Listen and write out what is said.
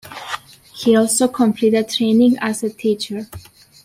He also completed training as a teacher.